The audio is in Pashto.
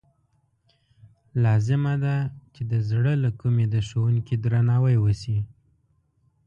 لازمه ده چې د زړه له کومې د ښوونکي درناوی وشي.